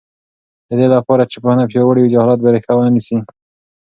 د دې لپاره چې پوهنه پیاوړې وي، جهالت به ریښه ونه نیسي.